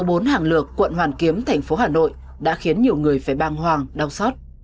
xảy ra tại số bốn hàng lược quận hoàn kiếm thành phố hà nội đã khiến nhiều người phải băng hoàng đau xót